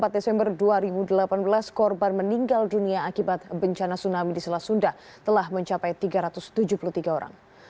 empat desember dua ribu delapan belas korban meninggal dunia akibat bencana tsunami di selat sunda telah mencapai tiga ratus tujuh puluh tiga orang